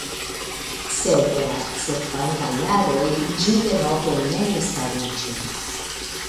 Sed en la sekvantaj jaroj ĝi denove memstariĝis.